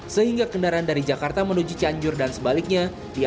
sehingga kendaraan dari jakarta menuju canjur dan sebaliknya dialihkan